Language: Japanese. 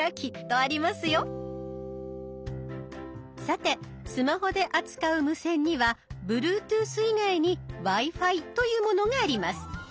さてスマホで扱う無線にはＢｌｕｅｔｏｏｔｈ以外に「Ｗｉ−Ｆｉ」というものがあります。